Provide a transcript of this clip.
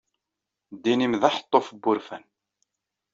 Ddin-im d aḥeṭṭuf n wurfan.